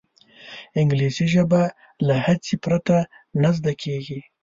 انګلیسي ژبه له هڅې پرته نه زده کېږي